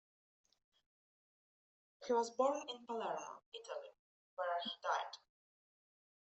He was born in Palermo, Italy, where he died.